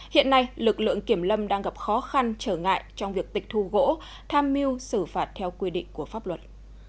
hiện nay lực lượng kiểm lâm đang gặp khó khăn trở ngại trong việc tịch thu gỗ tham mưu xử phạt theo quy định của pháp luật